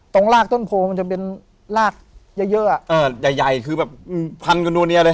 ตรงรากต้นโพมันจะเป็นรากเยอะอ่าใหญ่คือแบบพันกันตัวเนี่ยเลย